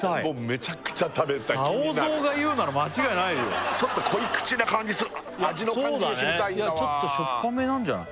めちゃくちゃ食べたい気になるさお象が言うなら間違いないよちょっと濃い口な感じする味の感じを知りたいんだわちょっとしょっぱめなんじゃない？